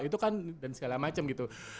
itu kan dan segala macam gitu